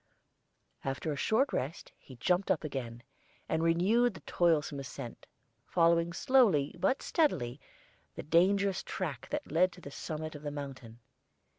After a short rest he jumped up again, and renewed the toilsome ascent, following slowly but steadily the dangerous track that led to the summit of the mountain.